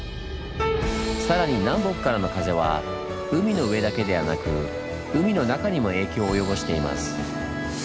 さらに南北からの風は海の上だけではなく海の中にも影響を及ぼしています。